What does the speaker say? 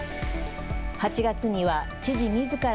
８月には知事みずから